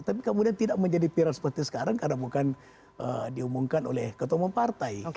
tapi kemudian tidak menjadi pilihan seperti sekarang karena bukan diumumkan oleh ketua mempartai